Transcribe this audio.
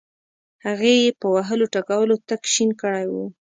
هغه یې په وهلو ټکولو تک شین کړی وو.